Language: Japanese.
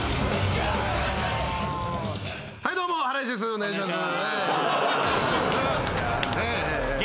お願いします。